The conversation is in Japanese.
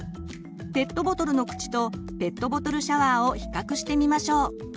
ペットボトルの口とペットボトルシャワーを比較してみましょう。